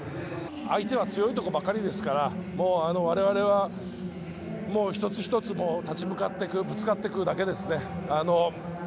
相手は強いところばかりですから我々は一つ一つ立ち向かっていく、ぶつかっていくだけです。